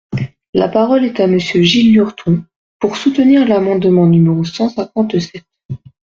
La parole est à Monsieur Gilles Lurton, pour soutenir l’amendement numéro cent cinquante-sept.